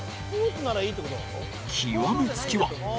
極め付きは。